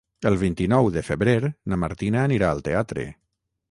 El vint-i-nou de febrer na Martina anirà al teatre.